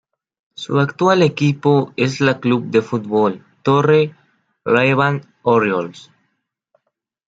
Su actual equipo es la Club de Fútbol Torre Levante Orriols.